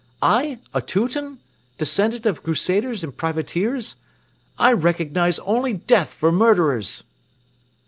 I, a Teuton, descendant of crusaders and privateers, I recognize only death for murderers!